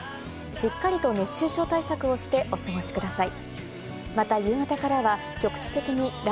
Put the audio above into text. しっかりと熱中症対策をしてお過ごしください。